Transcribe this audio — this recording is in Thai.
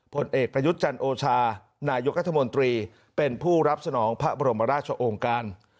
ผลเอกประยุทธ์จันโอชานายกรัฐมนตรีเป็นผู้รับสนองพระบรมราชองค์การ